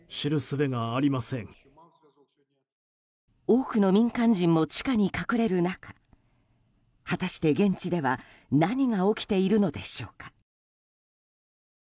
多くの民間人も地下に隠れる中果たして、現地では何が起きているのでしょうか。